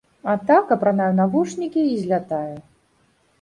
А так апранаю навушнікі і злятаю.